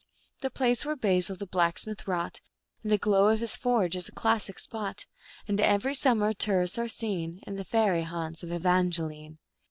The place where Basil the blacksmith wrought, In the glow of his forge, is a classic spot, And every summer tourists are seen In the fairy haunts of Evangeline.